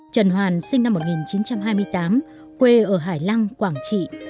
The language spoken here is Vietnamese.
trần hoàn sinh năm một nghìn chín trăm hai mươi tám quê ở hải lăng quảng trị